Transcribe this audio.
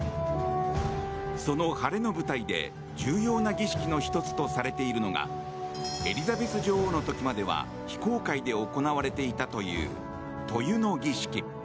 その晴れの舞台で重要な儀式の１つとされているのがエリザベス女王の時までは非公開で行われていたという塗油の儀式。